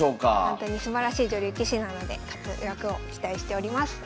ほんとにすばらしい女流棋士なので活躍を期待しております。